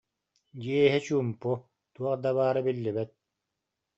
Дьиэ иһэ чуумпу, туох да баара биллибэт